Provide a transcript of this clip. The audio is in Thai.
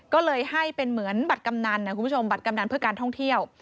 ก็เลยให้เป็นเหมือนบัตรกำนันนะคุณผู้ชมบัตรกำนันเพื่อการท่องเที่ยว